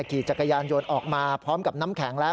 ขี่จักรยานยนต์ออกมาพร้อมกับน้ำแข็งแล้ว